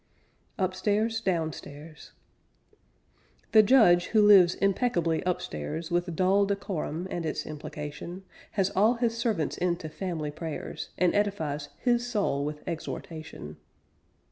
UPSTAIRS DOWNSTAIRS The judge, who lives impeccably upstairs With dull decorum and its implication, Has all his servants in to family prayers, And edifies his soul with exhortation.